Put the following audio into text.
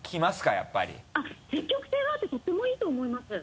やっぱり積極性があってとってもいいと思います。